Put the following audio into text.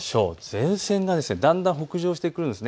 前線がだんだん北上してくるんです。